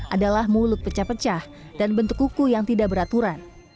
adalah mulut pecah pecah dan bentuk kuku yang tidak beraturan